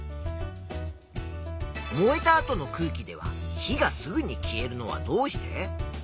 燃えた後の空気では火がすぐに消えるのはどうして？